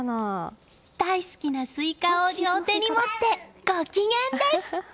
大好きなスイカを両手に持ってご機嫌です！